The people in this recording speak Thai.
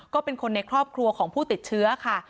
ก็เป็นคนในครอบครัวของผู้ติดเชื้อค่ะ